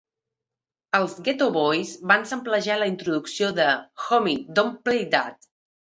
Els Geto Boys van samplejar la introducció de "Homie Don't Play That".